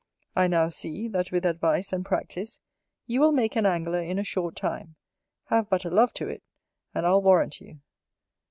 I now see, that with advice and practice, you will make an Angler in a short time. Have but a love to it; and I'll warrant you.